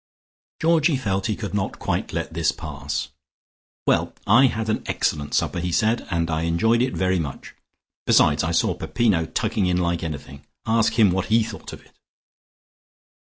Georgie felt he could not quite let this pass. "Well, I had an excellent supper," he said, "and I enjoyed it very much. Besides, I saw Peppino tucking in like anything. Ask him what he thought of it."